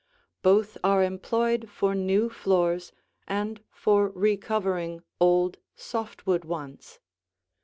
Both are employed for new floors and for re covering old, soft wood ones.